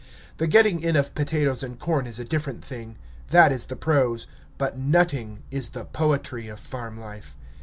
The getting in of potatoes and corn is a different thing; that is the prose, but nutting is the poetry, of farm life.